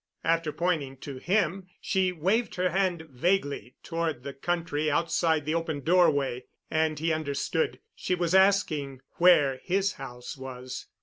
After pointing to him, she waved her hand vaguely toward the country outside the open doorway, and he understood she was asking where his house was.